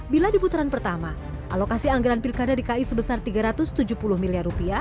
bila di putaran pertama alokasi anggaran pilkada dki sebesar rp tiga ratus tujuh puluh miliar